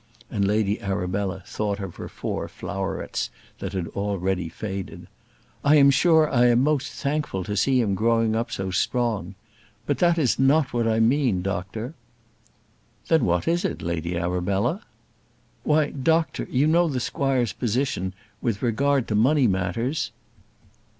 And Lady Arabella thought of her four flowerets that had already faded. "I am sure I am most thankful to see him growing up so strong. But it is not that I mean, doctor." "Then what is it, Lady Arabella?" "Why, doctor, you know the squire's position with regard to money matters?"